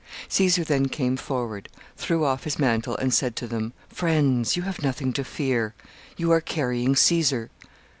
Caesar then came forward, threw off his mantle, and said to them, "Friends! you have nothing to fear. You are carrying Caesar."